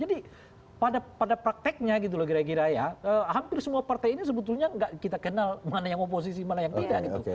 jadi pada prakteknya gitu loh kira kira ya hampir semua partai ini sebetulnya nggak kita kenal mana yang oposisi mana yang tidak gitu